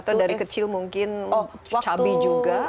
atau dari kecil mungkin cabai juga